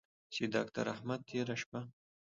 چې داکتر احمد تېره شپه